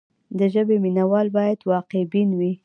د ژبې مینه وال باید واقع بین وي.